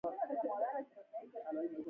په جنګ کې رستم چېرته ووژل شو.